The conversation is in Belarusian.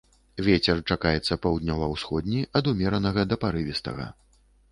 Вецер чакаецца паўднёва-ўсходні ад умеранага да парывістага.